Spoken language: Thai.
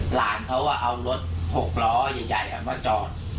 หลานเขาเอารถ๖ล้อใหญ่มาจอด